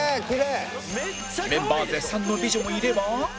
メンバー絶賛の美女もいれば